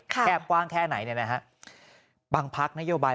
แค่กว้างแค่ไหนบางพักนโยบาย